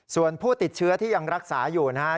ส่วนผู้ติดเชื้อที่ยังรักษาอยู่นะครับ